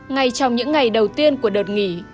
ngay trong những ngày đầu tiên của đợt nghỉ